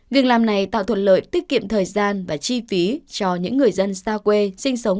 việc làm này tạo thuận lợi tiết kiệm thời gian và chi phí cho những người dân xa quê sinh sống